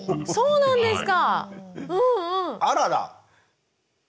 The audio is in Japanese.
そうなんですね。